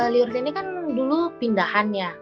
liur deni kan dulu pindahannya